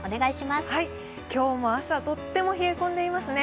今日も朝とっても冷え込んでいますね。